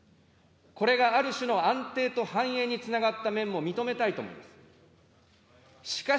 これがある種の安定と繁栄につながった面も認めたいと思います。